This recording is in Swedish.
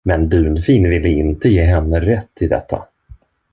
Men Dunfin ville inte ge henne rätt i detta.